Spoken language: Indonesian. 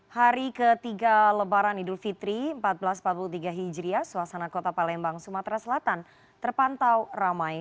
hari ketiga lebaran idul fitri seribu empat ratus empat puluh tiga hijriah suasana kota palembang sumatera selatan terpantau ramai